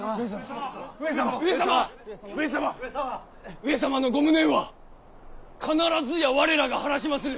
上様のご無念は必ずや我らが晴らしまする！